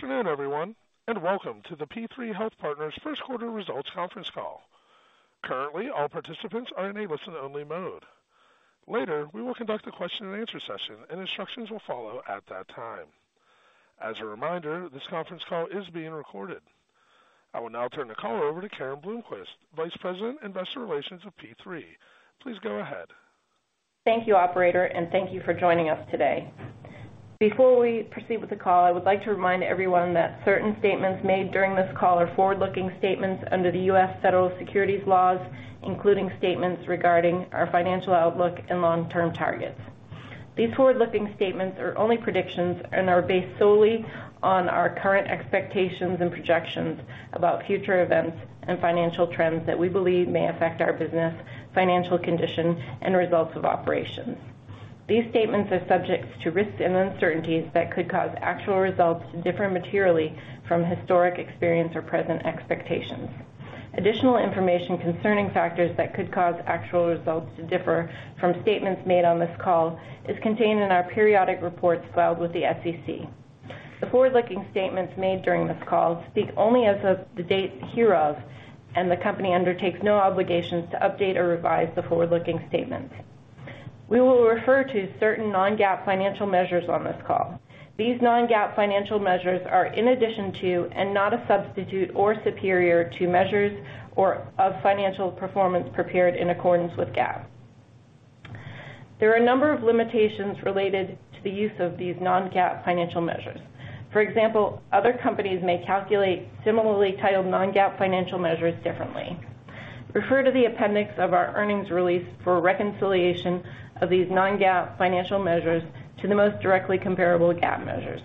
Good afternoon, everyone. Welcome to the P3 Health Partners first quarter results conference call. Currently, all participants are in a listen-only mode. Later, we will conduct a question-and-answer session and instructions will follow at that time. As a reminder, this conference call is being recorded. I will now turn the call over to Karen Blomquist, Vice President, Investor Relations of P3. Please go ahead. Thank you, operator, and thank you for joining us today. Before we proceed with the call, I would like to remind everyone that certain statements made during this call are forward-looking statements under the U.S. federal securities laws, including statements regarding our financial outlook and long-term targets. These forward-looking statements are only predictions and are based solely on our current expectations and projections about future events and financial trends that we believe may affect our business, financial condition, and results of operations. These statements are subject to risks and uncertainties that could cause actual results to differ materially from historic experience or present expectations. Additional information concerning factors that could cause actual results to differ from statements made on this call is contained in our periodic reports filed with the SEC. The forward-looking statements made during this call speak only as of the date hereof. The company undertakes no obligations to update or revise the forward-looking statements. We will refer to certain non-GAAP financial measures on this call. These non-GAAP financial measures are in addition to and not a substitute or superior to measures of financial performance prepared in accordance with GAAP. There are a number of limitations related to the use of these non-GAAP financial measures. For example, other companies may calculate similarly titled non-GAAP financial measures differently. Refer to the appendix of our earnings release for a reconciliation of these non-GAAP financial measures to the most directly comparable GAAP measures.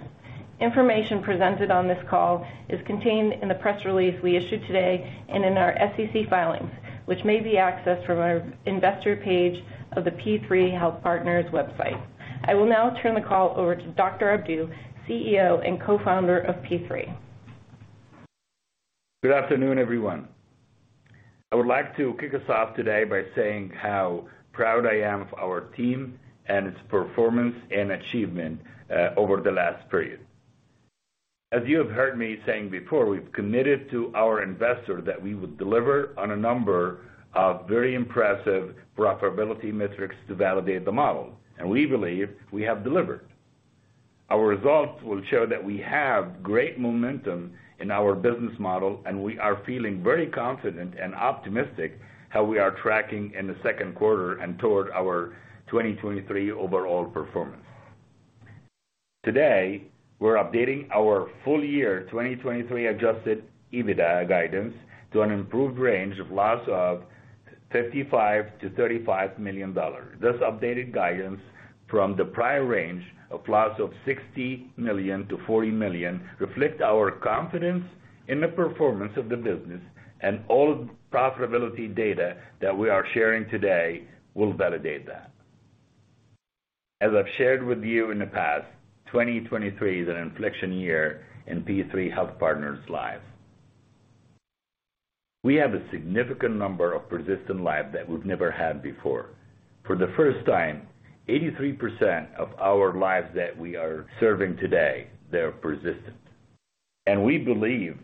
Information presented on this call is contained in the press release we issued today and in our SEC filings, which may be accessed from our investor page of the P3 Health Partners website. I will now turn the call over to Dr. Abdou, CEO and Co-Founder of P3. Good afternoon, everyone. I would like to kick us off today by saying how proud I am of our team and its performance and achievement over the last period. As you have heard me saying before, we've committed to our investor that we would deliver on a number of very impressive profitability metrics to validate the model. We believe we have delivered. Our results will show that we have great momentum in our business model, and we are feeling very confident and optimistic how we are tracking in the second quarter and toward our 2023 overall performance. Today, we're updating our full year 2023 adjusted EBITDA guidance to an improved range of loss of $55 million-$35 million. This updated guidance from the prior range of loss of $60 million-$40 million reflect our confidence in the performance of the business. All profitability data that we are sharing today will validate that. As I've shared with you in the past, 2023 is an inflection year in P3 Health Partners lives. We have a significant number of persistent lives that we've never had before. For the first time, 83% of our lives that we are serving today, they're persistent. We believe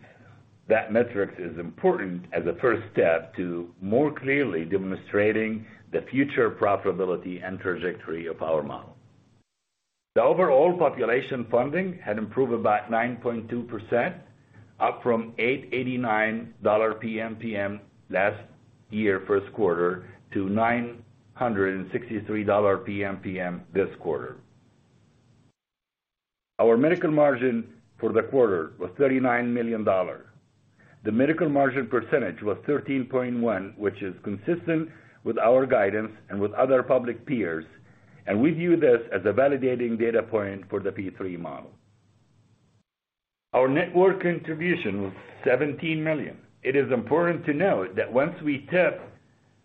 that metric is important as a first step to more clearly demonstrating the future profitability and trajectory of our model. The overall population funding had improved about 9.2%, up from $889 PMPM last year first quarter to $963 PMPM this quarter. Our medical margin for the quarter was $39 million. The medical margin percentage was 13.1%, which is consistent with our guidance and with other public peers, and we view this as a validating data point for the P3 model. Our network contribution was $17 million. It is important to note that once we tip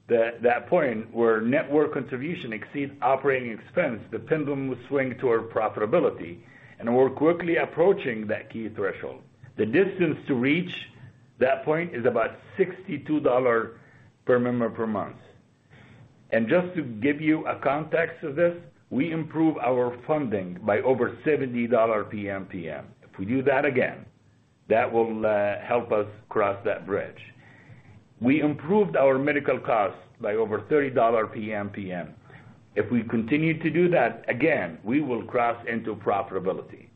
that point where network contribution exceeds operating expense, the pendulum will swing toward profitability, and we're quickly approaching that key threshold. The distance to reach that point is about $62 per member per month. Just to give you a context of this, we improve our funding by over $70 PMPM. If we do that again, that will help us cross that bridge. We improved our medical costs by over $30 PMPM. If we continue to do that, again, we will cross into profitability.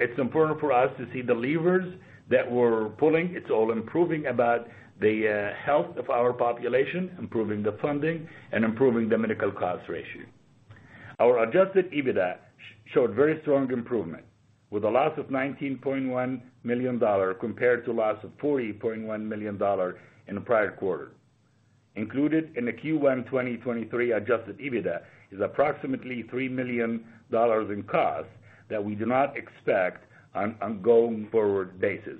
It's important for us to see the levers that we're pulling. It's all improving about the health of our population, improving the funding, and improving the medical cost ratio. Our adjusted EBITDA showed very strong improvement with a loss of $19.1 million compared to a loss of $40.1 million in the prior quarter. Included in the Q1 2023 adjusted EBITDA is approximately $3 million in costs that we do not expect on going forward basis.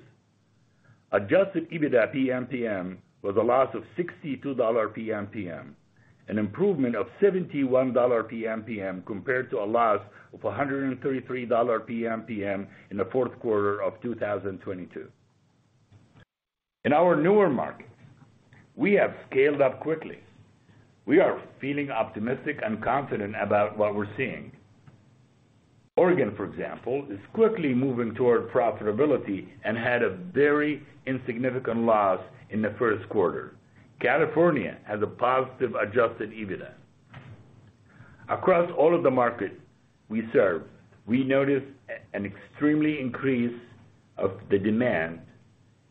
Adjusted EBITDA PMPM was a loss of $62 PMPM, an improvement of $71 PMPM compared to a loss of $133 PMPM in the fourth quarter of 2022. In our newer markets, we have scaled up quickly. We are feeling optimistic and confident about what we're seeing. Oregon, for example, is quickly moving toward profitability and had a very insignificant loss in the first quarter. California has a positive adjusted EBITDA. Across all of the markets we serve, we notice an extremely increase of the demand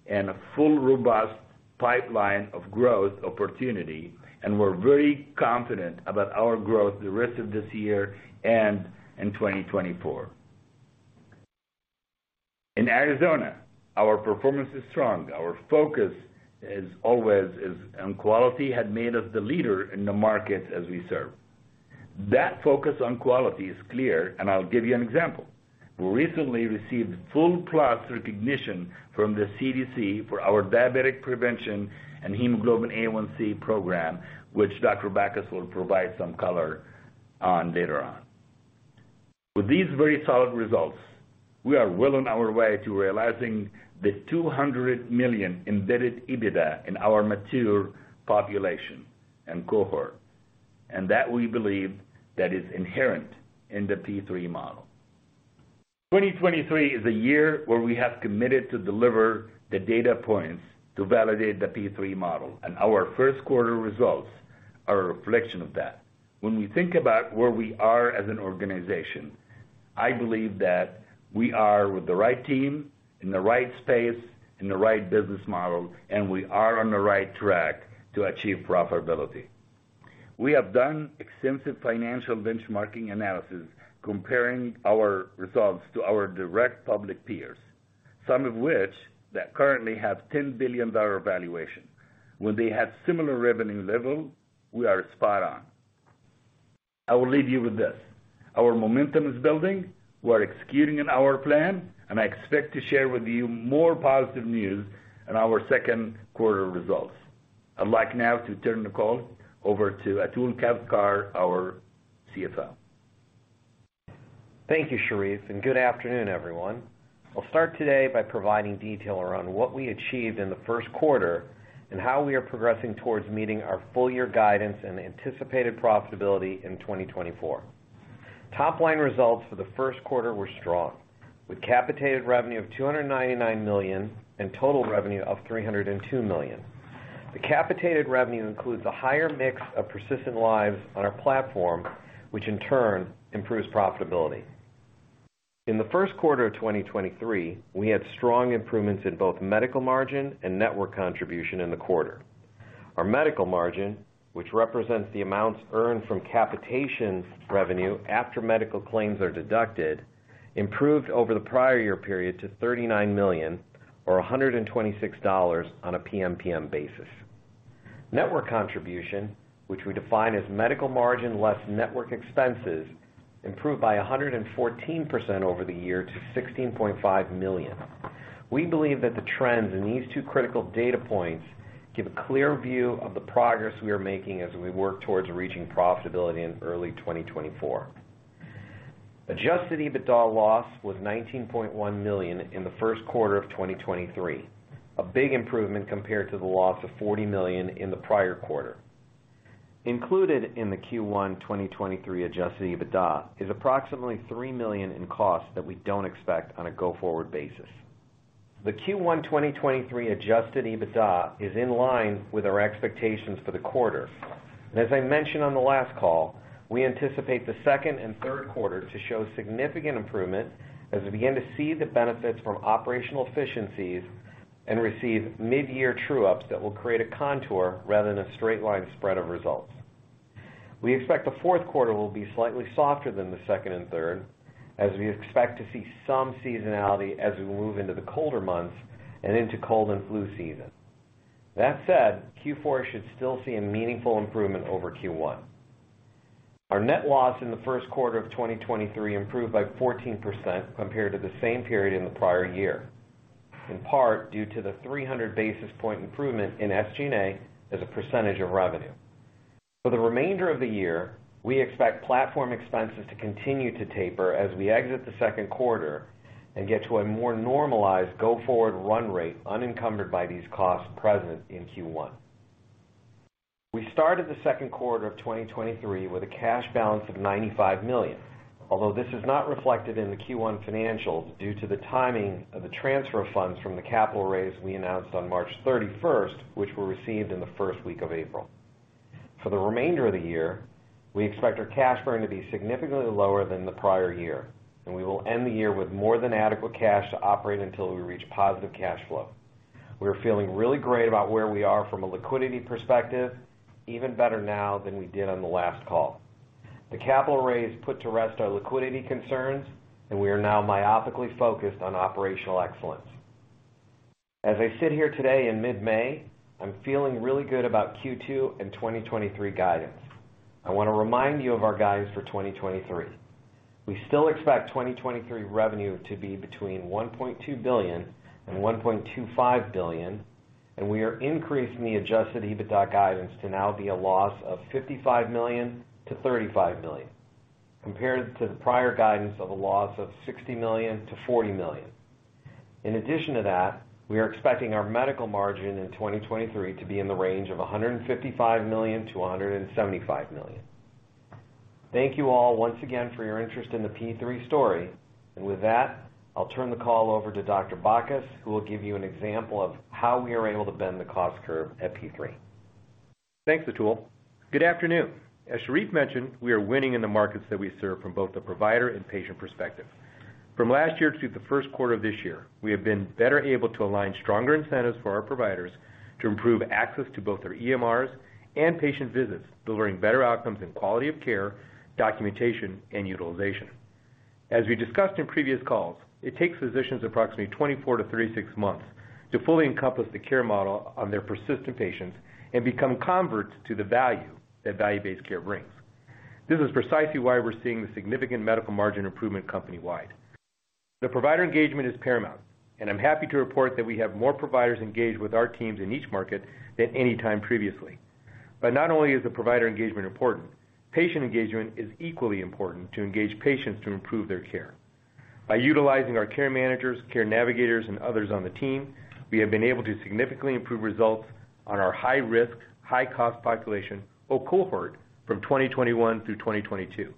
and a full, robust pipeline of growth opportunity. We're very confident about our growth the rest of this year and in 2024. In Arizona, our performance is strong. Our focus, as always, is on quality had made us the leader in the markets as we serve. That focus on quality is clear. I'll give you an example. We recently received Full Plus Recognition from the CDC for our diabetic prevention and hemoglobin A1c program, which Dr. Bacchus will provide some color on later on. With these very solid results, we are well on our way to realizing the $200 million embedded EBITDA in our mature population and cohort. That we believe is inherent in the P3 model. 2023 is a year where we have committed to deliver the data points to validate the P3 model, our first quarter results are a reflection of that. When we think about where we are as an organization, I believe that we are with the right team, in the right space, in the right business model, and we are on the right track to achieve profitability. We have done extensive financial benchmarking analysis comparing our results to our direct public peers, some of which that currently have $10 billion valuation. When they have similar revenue level, we are spot on. I will leave you with this. Our momentum is building, we're executing in our plan, I expect to share with you more positive news in our second quarter results. I'd like now to turn the call over to Atul Kavthekar, our CFO. Thank you, Sherif, and good afternoon, everyone. I'll start today by providing detail around what we achieved in the first quarter and how we are progressing towards meeting our full year guidance and anticipated profitability in 2024. Top-line results for the first quarter were strong, with capitated revenue of $299 million and total revenue of $302 million. The capitated revenue includes a higher mix of persistent lives on our platform, which in turn improves profitability. In the first quarter of 2023, we had strong improvements in both medical margin and network contribution in the quarter. Our medical margin, which represents the amounts earned from capitation revenue after medical claims are deducted, improved over the prior year period to $39 million or $126 on a PMPM basis. Network contribution, which we define as medical margin less network expenses, improved by 114% over the year to $16.5 million. We believe that the trends in these two critical data points give a clear view of the progress we are making as we work towards reaching profitability in early 2024. Adjusted EBITDA loss was $19.1 million in the first quarter of 2023, a big improvement compared to the loss of $40 million in the prior quarter. Included in the Q1 2023 adjusted EBITDA is approximately $3 million in costs that we don't expect on a go-forward basis. The Q1 2023 adjusted EBITDA is in line with our expectations for the quarter. As I mentioned on the last call, we anticipate the second and third quarter to show significant improvement as we begin to see the benefits from operational efficiencies and receive mid-year true-ups that will create a contour rather than a straight-line spread of results. We expect the fourth quarter will be slightly softer than the second and third, as we expect to see some seasonality as we move into the colder months and into cold and flu season. That said, Q4 should still see a meaningful improvement over Q1. Our net loss in the first quarter of 2023 improved by 14% compared to the same period in the prior year, in part due to the 300 basis point improvement in SG&A as a percentage of revenue. For the remainder of the year, we expect platform expenses to continue to taper as we exit the second quarter and get to a more normalized go-forward run rate unencumbered by these costs present in Q1. We started the second quarter of 2023 with a cash balance of $95 million, although this is not reflected in the Q1 financials due to the timing of the transfer of funds from the capital raise we announced on March 31st, which were received in the first week of April. For the remainder of the year, we expect our cash burn to be significantly lower than the prior year, and we will end the year with more than adequate cash to operate until we reach positive cash flow. We're feeling really great about where we are from a liquidity perspective, even better now than we did on the last call. The capital raise put to rest our liquidity concerns. We are now myopically focused on operational excellence. As I sit here today in mid-May, I'm feeling really good about Q2 and 2023 guidance. I wanna remind you of our guidance for 2023. We still expect 2023 revenue to be between $1.2 billion and $1.25 billion, and we are increasing the adjusted EBITDA guidance to now be a loss of $55 million to $35 million, compared to the prior guidance of a loss of $60 million to $40 million. In addition to that, we are expecting our medical margin in 2023 to be in the range of $155 million to $175 million. Thank you all once again for your interest in the P3 story. With that, I'll turn the call over to Dr. Bacchus, who will give you an example of how we are able to bend the cost curve at P3. Thanks, Atul. Good afternoon. As Sherif mentioned, we are winning in the markets that we serve from both the provider and patient perspective. From last year to the first quarter of this year, we have been better able to align stronger incentives for our providers to improve access to both our EMRs and patient visits, delivering better outcomes and quality of care, documentation, and utilization. As we discussed in previous calls, it takes physicians approximately 24 to 36 months to fully encompass the care model on their persistent patients and become converts to the value that value-based care brings. This is precisely why we're seeing the significant medical margin improvement company-wide. The provider engagement is paramount, and I'm happy to report that we have more providers engaged with our teams in each market than any time previously. Not only is the provider engagement important, patient engagement is equally important to engage patients to improve their care. By utilizing our care managers, care navigators, and others on the team, we have been able to significantly improve results on our high-risk, high-cost population or cohort from 2021 through 2022,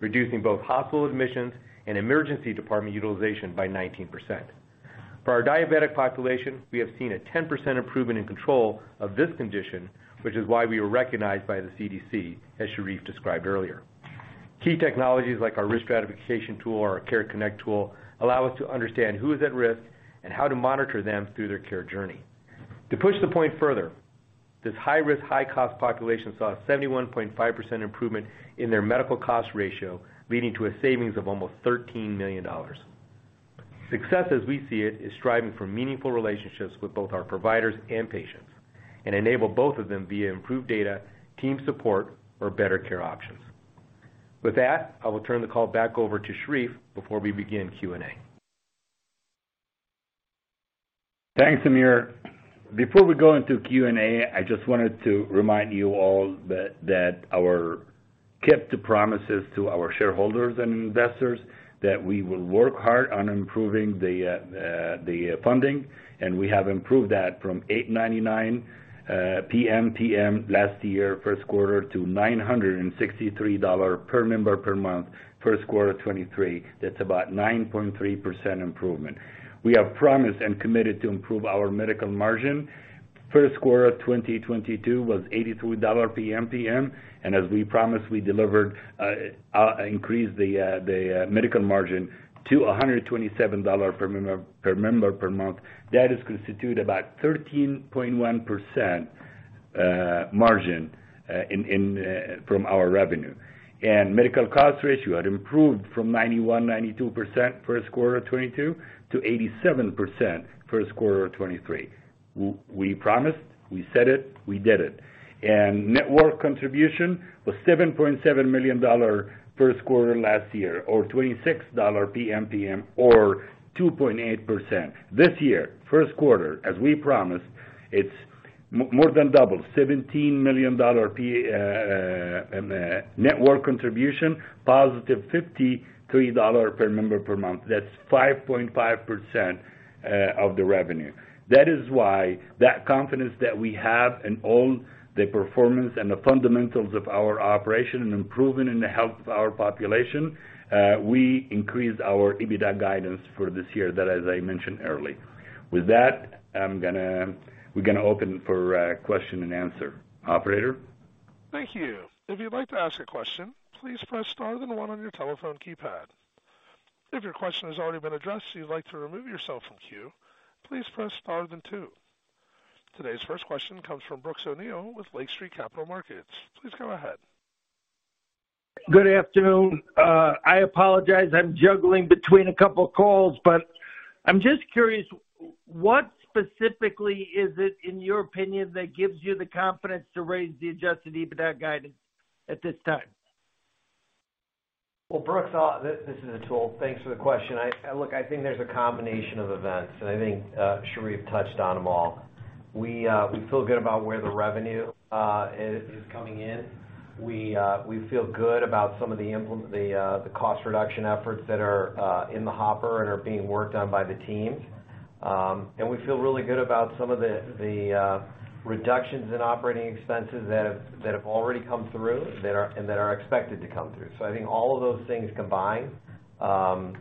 reducing both hospital admissions and emergency department utilization by 19%. For our diabetic population, we have seen a 10% improvement in control of this condition, which is why we were recognized by the CDC, as Sherif described earlier. Key technologies like our risk stratification tool or our Care Connect tool allow us to understand who is at risk and how to monitor them through their care journey. To push the point further, this high-risk, high-cost population saw a 71.5% improvement in their medical cost ratio, leading to a savings of almost $13 million. Success, as we see it, is striving for meaningful relationships with both our providers and patients and enable both of them via improved data, team support, or better care options. With that, I will turn the call back over to Sherif before we begin Q&A. Thanks, Amir. Before we go into Q&A, I just wanted to remind you all that our kept promises to our shareholders and investors that we will work hard on improving the funding. We have improved that from $899 PMPM last year, first quarter, to $963 per member per month, first quarter of 2023. That's about 9.3% improvement. We have promised and committed to improve our medical margin. First quarter of 2022 was $83 PMPM. As we promised, we delivered increased the medical margin to $127 per member per month. That is constitute about 13.1% margin from our revenue. Medical cost ratio had improved from 91%-92% first quarter of 2022 to 87% first quarter of 2023. We promised, we said it, we did it. Network contribution was $7.7 million first quarter last year or $26 PMPM or 2.8%. This year, first quarter, as we promised, it's more than double. $17 million network contribution, positive $53 per member per month. That's 5.5% of the revenue. That is why that confidence that we have in all the performance and the fundamentals of our operation and improving in the health of our population, we increased our EBITDA guidance for this year, that as I mentioned early. With that, we're gonna open for question and answer. Operator? Thank you. If you'd like to ask a question, please press Star then one on your telephone keypad. If your question has already been addressed and you'd like to remove yourself from queue, please press Star then two. Today's first question comes from Brooks O'Neil with Lake Street Capital Markets. Please go ahead. Good afternoon. I apologize, I'm juggling between two calls, but I'm just curious, what specifically is it, in your opinion, that gives you the confidence to raise the adjusted EBITDA guidance at this time? Well, Brooks, this is Atul. Thanks for the question. I, look, I think there's a combination of events, and I think Sherif touched on them all. We feel good about where the revenue is coming in. We feel good about some of the cost reduction efforts that are in the hopper and are being worked on by the teams. We feel really good about some of the reductions in operating expenses that have already come through that are, and that are expected to come through. I think all of those things combined,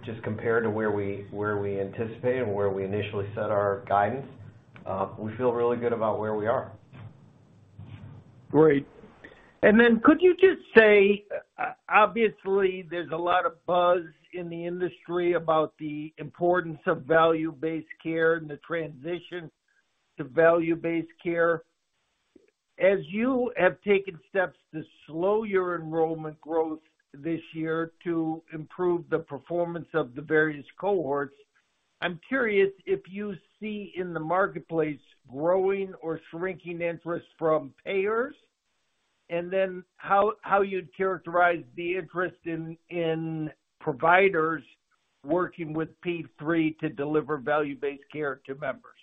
just compared to where we anticipate and where we initially set our guidance, we feel really good about where we are. Great. Could you just say, obviously, there's a lot of buzz in the industry about the importance of value-based care and the transition to value-based care. As you have taken steps to slow your enrollment growth this year to improve the performance of the various cohorts, I'm curious if you see in the marketplace growing or shrinking interest from payers, and then how you'd characterize the interest in providers working with P3 to deliver value-based care to members.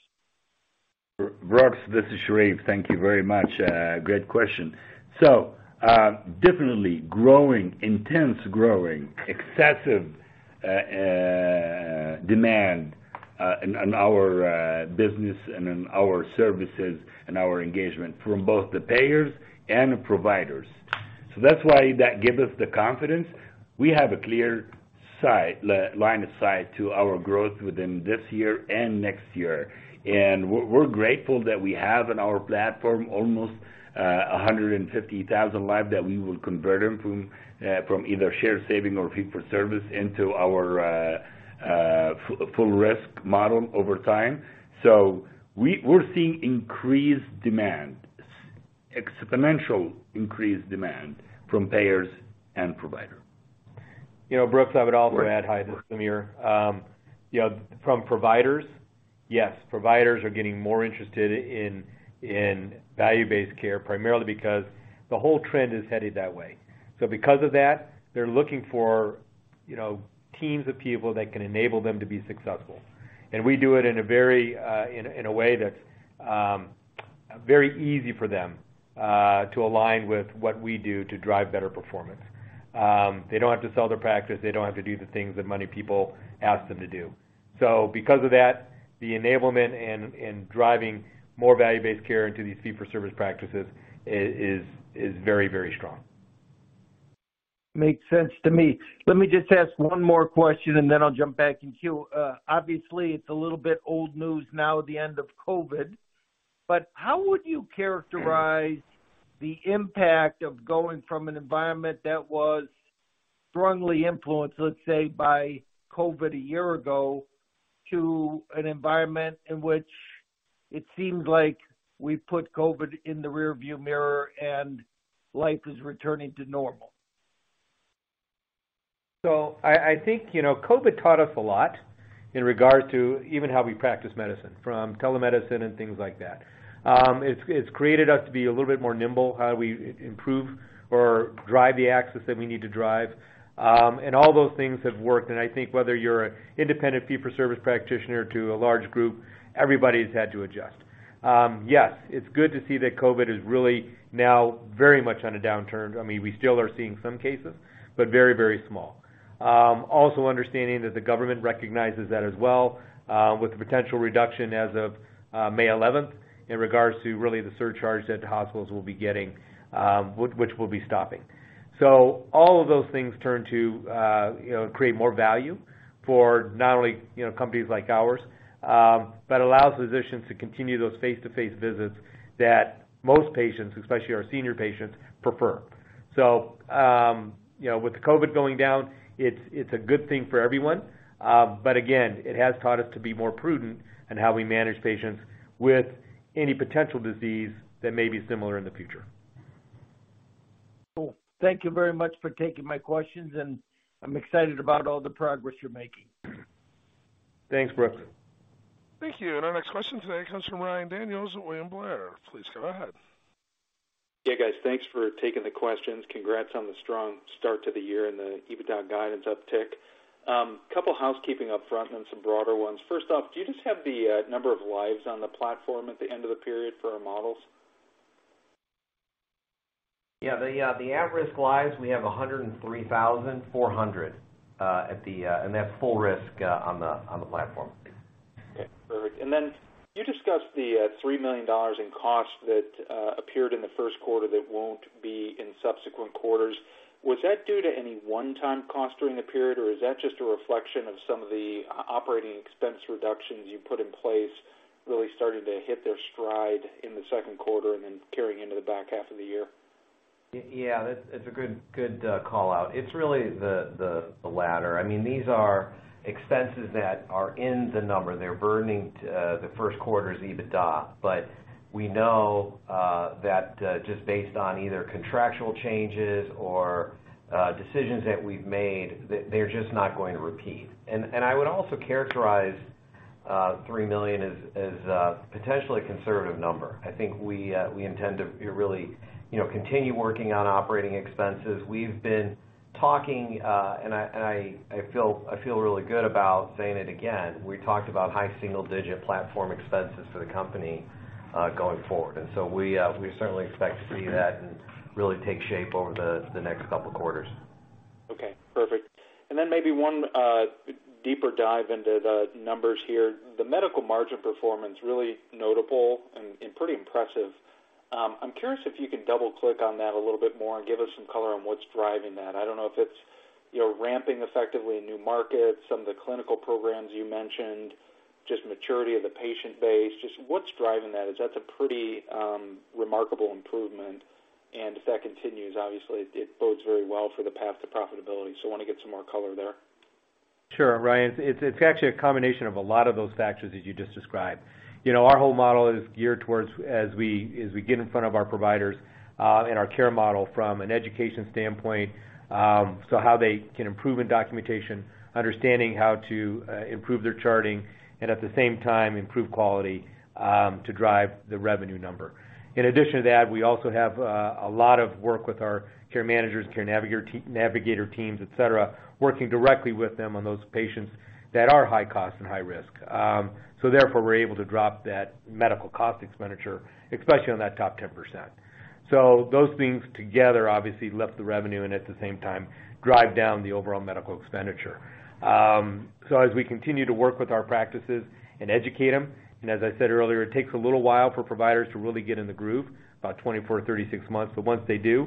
Brooks, this is Sherif. Thank you very much. Great question. Definitely growing, intense growing, excessive demand on our business and in our services and our engagement from both the payers and the providers. That's why that give us the confidence. We have a clear line of sight to our growth within this year and next year. We're grateful that we have in our platform almost 150,000 lives that we will convert them from either shared savings or fee-for-service into our full risk model over time. We're seeing increased demand, exponential increased demand from payers and provider. You know, Brooks, I would also add. Hi, this is Amir. you know, from providers, yes. Providers are getting more interested in value-based care, primarily because the whole trend is headed that way. Because of that, they're looking for, you know, teams of people that can enable them to be successful. We do it in a very, in a way that's very easy for them to align with what we do to drive better performance. They don't have to sell their practice. They don't have to do the things that many people ask them to do. Because of that, the enablement and driving more value-based care into these fee-for-service practices is very, very strong. Makes sense to me. Let me just ask one more question, then I'll jump back in queue. Obviously, it's a little bit old news now at the end of COVID, how would you characterize the impact of going from an environment that was strongly influenced, let's say, by COVID a year ago, to an environment in which it seems like we've put COVID in the rearview mirror and life is returning to normal? I think, you know, COVID taught us a lot in regard to even how we practice medicine, from telemedicine and things like that. It's, it's created us to be a little bit more nimble, how we improve or drive the axis that we need to drive. All those things have worked. I think whether you're an independent fee-for-service practitioner to a large group, everybody's had to adjust. Yes, it's good to see that COVID is really now very much on a downturn. I mean, we still are seeing some cases, but very, very small. Also understanding that the government recognizes that as well, with the potential reduction as of May 11th in regards to really the surcharge that the hospitals will be getting, which will be stopping. All of those things turn to, you know, create more value for not only, you know, companies like ours, but allows physicians to continue those face-to-face visits that most patients, especially our senior patients, prefer. You know, with the COVID going down, it's a good thing for everyone. Again, it has taught us to be more prudent in how we manage patients with any potential disease that may be similar in the future. Well, thank you very much for taking my questions, and I'm excited about all the progress you're making. Thanks, Brooks. Thank you. Our next question today comes from Ryan Daniels at William Blair. Please go ahead. Yeah, guys. Thanks for taking the questions. Congrats on the strong start to the year and the EBITDA guidance uptick. Couple housekeeping upfront and some broader ones. First off, do you just have the number of lives on the platform at the end of the period for our models? Yeah. The, the at-risk lives, we have 103,400, and that's full risk on the platform. Okay, perfect. You discussed the $3 million in costs that appeared in the first quarter that won't be in subsequent quarters. Was that due to any one-time cost during the period, or is that just a reflection of some of the operating expense reductions you put in place really starting to hit their stride in the second quarter and then carrying into the back half of the year? Yeah, that's a good call-out. It's really the latter. I mean, these are expenses that are in the number. They're burning to the first quarter's EBITDA. We know that just based on either contractual changes or decisions that we've made, they're just not going to repeat. I would also characterize $3 million as a potentially conservative number. I think we, you know, continue working on operating expenses. We've been talking and I feel really good about saying it again. We talked about high single digit platform expenses for the company going forward. We certainly expect to see that and really take shape over the next couple quarters. Okay, perfect. Then maybe one deeper dive into the numbers here. The medical margin performance, really notable and pretty impressive. I'm curious if you could double-click on that a little bit more and give us some color on what's driving that. I don't know if it's, you know, ramping effectively in new markets, some of the clinical programs you mentioned, just maturity of the patient base. Just what's driving that? That's a pretty remarkable improvement. If that continues, obviously it bodes very well for the path to profitability. I wanna get some more color there. Sure, Ryan. It's actually a combination of a lot of those factors that you just described. You know, our whole model is geared towards as we get in front of our providers and our care model from an education standpoint, so how they can improve in documentation, understanding how to improve their charting, and at the same time, improve quality to drive the revenue number. In addition to that, we also have a lot of work with our care managers, care navigator teams, et cetera, working directly with them on those patients that are high cost and high risk. Therefore, we're able to drop that medical cost expenditure, especially on that top 10%. Those things together obviously lift the revenue and at the same time drive down the overall medical expenditure. As we continue to work with our practices and educate them, as I said earlier, it takes a little while for providers to really get in the groove, about 24 to 36 months, but once they do,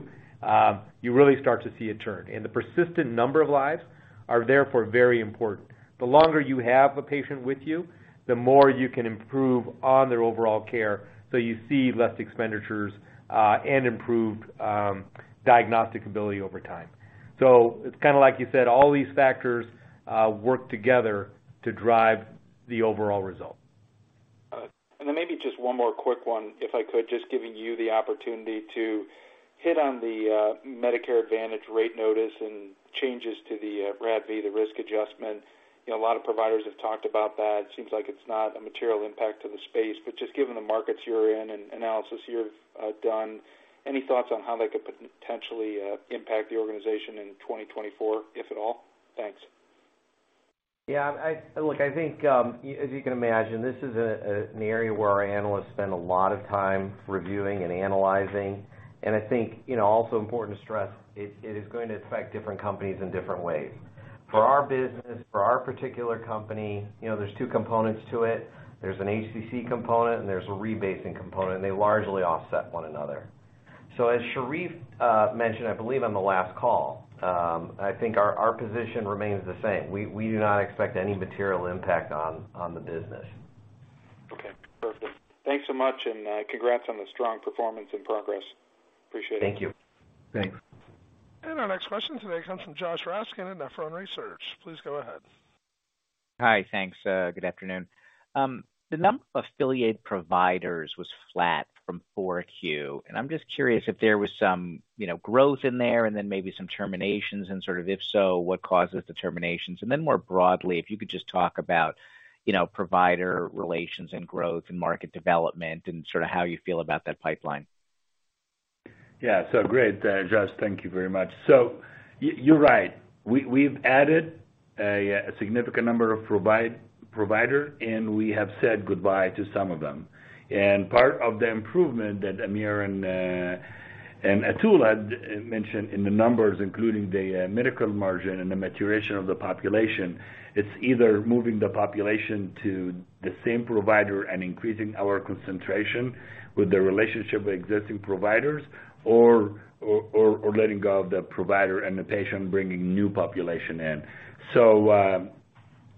you really start to see a turn. The persistent number of lives are therefore very important. The longer you have a patient with you, the more you can improve on their overall care, so you see less expenditures, and improved diagnostic ability over time. It's kinda like you said, all these factors work together to drive the overall result. All right. Then maybe just one more quick one, if I could, just giving you the opportunity to hit on the Medicare Advantage rate notice and changes to the RADV, the risk adjustment. You know, a lot of providers have talked about that. Seems like it's not a material impact to the space. Just given the markets you're in and analysis you've done, any thoughts on how that could potentially impact the organization in 2024, if at all? Thanks. Yeah, Look, I think, as you can imagine, this is an area where our analysts spend a lot of time reviewing and analyzing. I think, you know, also important to stress it is going to affect different companies in different ways. For our business, for our particular company, you know, there's two components to it. There's an HCC component, and there's a rebasing component, and they largely offset one another. As Sherif mentioned, I believe on the last call, I think our position remains the same. We do not expect any material impact on the business. Okay, perfect. Thanks so much. Congrats on the strong performance and progress. Appreciate it. Thank you. Thanks. Our next question today comes from Josh Raskin at Nephron Research. Please go ahead. Hi. Thanks. Good afternoon. The number of affiliated providers was flat from 4Q, I'm just curious if there was some, you know, growth in there and then maybe some terminations, and sort of if so, what causes the terminations? More broadly, if you could just talk about, you know, provider relations and growth and market development and sort of how you feel about that pipeline. Yeah. Great, Josh. Thank you very much. You're right. We've added a significant number of provider, and we have said goodbye to some of them. Part of the improvement that Amir and Atul had mentioned in the numbers, including the medical margin and the maturation of the population, it's either moving the population to the same provider and increasing our concentration with the relationship with existing providers or letting go of the provider and the patient bringing new population in.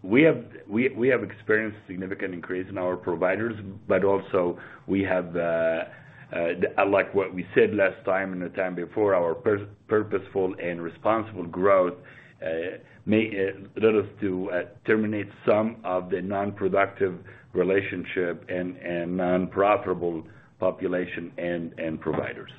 We have experienced significant increase in our providers, but also we have, like what we said last time and the time before, our purposeful and responsible growth led us to terminate some of the non-productive relationship and non-profitable population and providers.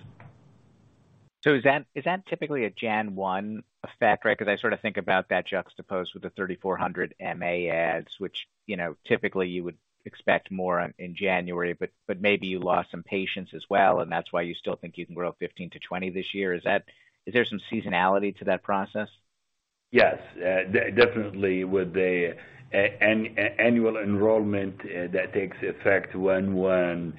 Is that typically a January 1st effect, right? 'Cause I sort of think about that juxtaposed with the 3,400 MA adds, which, you know, typically you would expect more on in January, but maybe you lost some patients as well, and that's why you still think you can grow 15%-20% this year. Is there some seasonality to that process? Yes, definitely with the annual enrollment that takes effect 1/1.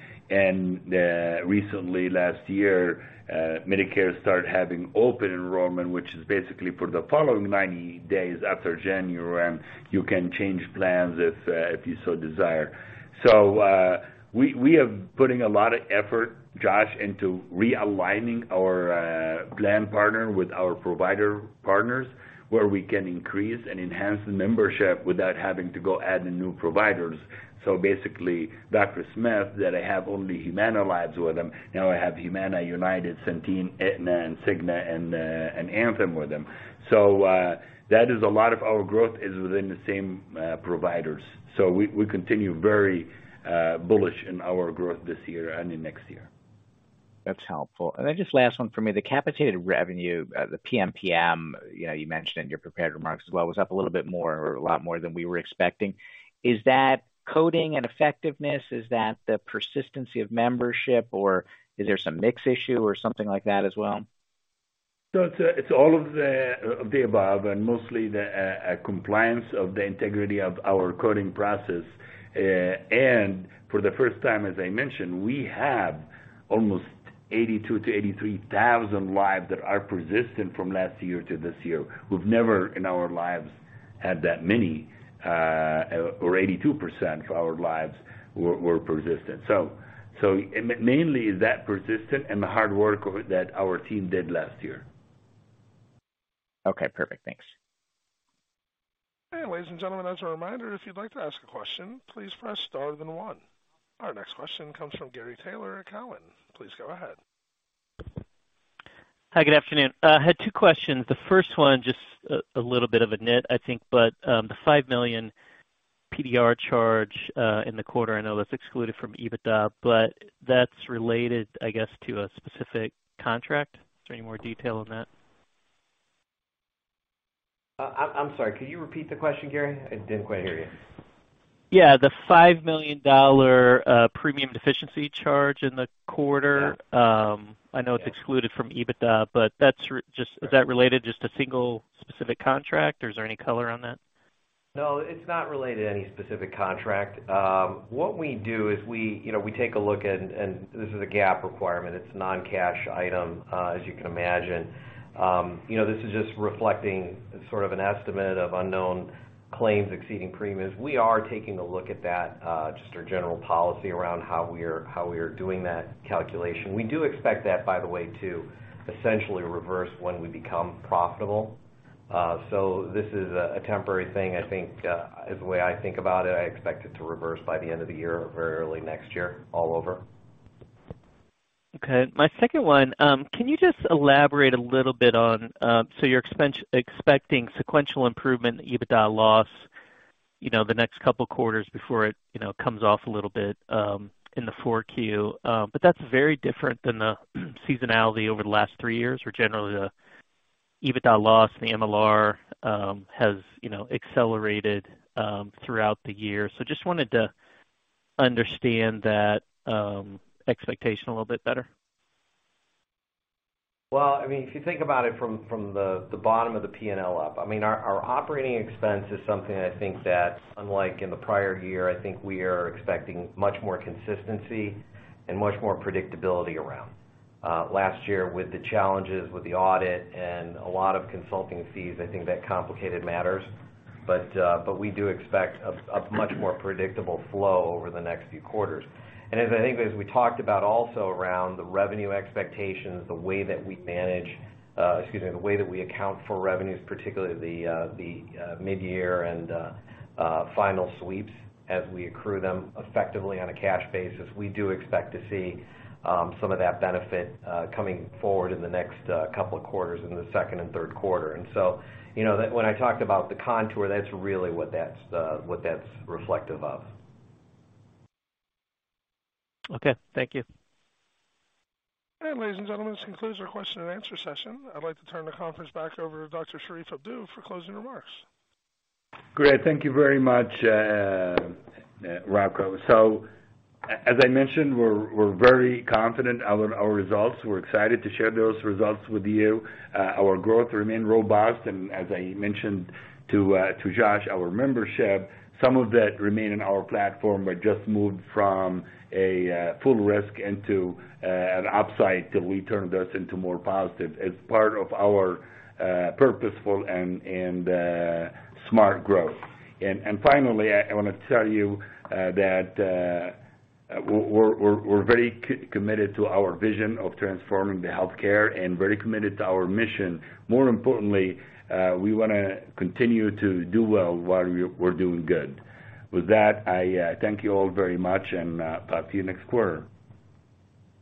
Recently last year, Medicare started having open enrollment, which is basically for the following 90 days after January, and you can change plans if you so desire. We are putting a lot of effort, Josh, into realigning our plan partner with our provider partners, where we can increase and enhance the membership without having to go add in new providers. Basically, Dr. Smith, that I have only Humana lives with him, now I have Humana, United, Centene, Aetna, Cigna, and Anthem with him. That is a lot of our growth is within the same providers. We continue very bullish in our growth this year and in next year. That's helpful. Then just last one for me, the capitated revenue, the PMPM, you know, you mentioned in your prepared remarks as well, was up a little bit more or a lot more than we were expecting. Is that coding and effectiveness? Is that the persistency of membership, or is there some mix issue or something like that as well? It's all of the above and mostly the compliance of the integrity of our coding process. For the first time, as I mentioned, we have almost 82,000-83,000 lives that are persistent from last year to this year. We've never in our lives had that many, or 82% of our lives were persistent. Mainly that persistent and the hard work of it that our team did last year. Okay, perfect. Thanks. Ladies and gentlemen, as a reminder, if you'd like to ask a question, please press star then one. Our next question comes from Gary Taylor at Cowen. Please go ahead. Hi. Good afternoon. Had two questions. The first one, just a little bit of a nit, I think, but, the $5 million PDR charge in the quarter, I know that's excluded from EBITDA, but that's related, I guess, to a specific contract. Is there any more detail on that? I'm sorry, could you repeat the question, Gary? I didn't quite hear you. Yeah, the $5 million premium deficiency charge in the quarter. Yeah. I know it's excluded from EBITDA, but is that related just to single specific contract or is there any color on that? No, it's not related to any specific contract. What we do is we, you know, we take a look at, and this is a GAAP requirement. It's non-cash item, as you can imagine. You know, this is just reflecting sort of an estimate of unknown claims exceeding premiums. We are taking a look at that, just our general policy around how we are doing that calculation. We do expect that, by the way, to essentially reverse when we become profitable. This is a temporary thing, I think, is the way I think about it. I expect it to reverse by the end of the year or very early next year all over. Okay. My second one, can you just elaborate a little bit on... You're expecting sequential improvement in EBITDA loss, you know, the next couple quarters before it, you know, comes off a little bit, in the 4Q. That's very different than the seasonality over the last three years, where generally the EBITDA loss, the MLR, has, you know, accelerated throughout the year. Just wanted to understand that expectation a little bit better. Well, I mean, if you think about it from the bottom of the P&L up, I mean, our operating expense is something I think that unlike in the prior year, I think we are expecting much more consistency and much more predictability around. Last year with the challenges with the audit and a lot of consulting fees, I think that complicated matters. We do expect a much more predictable flow over the next few quarters. As I think as we talked about also around the revenue expectations, the way that we manage, excuse me, the way that we account for revenues, particularly the, mid-year and, final sweeps as we accrue them effectively on a cash basis, we do expect to see some of that benefit coming forward in the next couple of quarters in the second and third quarter. You know, when I talked about the contour, that's really what that's what that's reflective of. Okay, thank you. Ladies and gentlemen, this concludes our question and answer session. I'd like to turn the conference back over to Dr. Sherif Abdou for closing remarks. Great. Thank you very much, Rocco. As I mentioned, we're very confident on our results. We're excited to share those results with you. Our growth remain robust. As I mentioned to Josh, our membership, some of that remain in our platform, but just moved from a full risk into an upside till we turned this into more positive as part of our purposeful and smart growth. Finally, I wanna tell you that we're very committed to our vision of transforming the healthcare and very committed to our mission. More importantly, we wanna continue to do well while we're doing good. With that, I thank you all very much, and talk to you next quarter.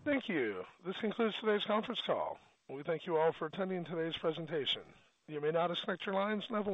Thank you. This concludes today's conference call. We thank you all for attending today's presentation. You may now disconnect your lines now.